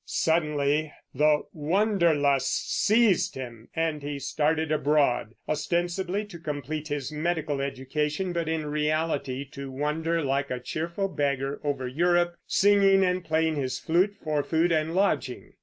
Suddenly the Wanderlust seized him and he started abroad, ostensibly to complete his medical education, but in reality to wander like a cheerful beggar over Europe, singing and playing his flute for food and lodging.